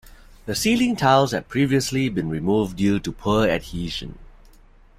The ceiling tiles had previously been removed due to poor adhesion.